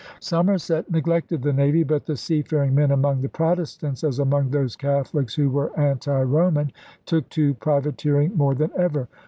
Somerset neglected the navy. But the sea faring men among the Protestants, as among those Catholics who were anti Roman, took to privateering more than ever.